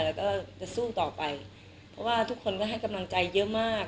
แล้วก็จะสู้ต่อไปเพราะว่าทุกคนก็ให้กำลังใจเยอะมาก